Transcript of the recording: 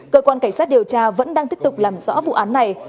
cơ quan cảnh sát điều tra vẫn đang tiếp tục làm rõ vụ án này